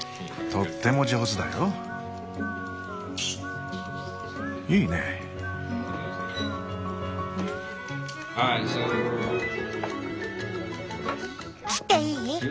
とっても上手だよ。いいね。切っていい？